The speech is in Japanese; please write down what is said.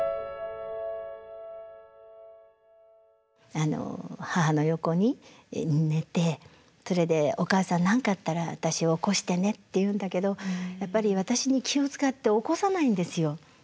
あの母の横に寝てそれで「お母さん何かあったら私を起こしてね」って言うんだけどやっぱり私に気を遣って起こさないんですよ。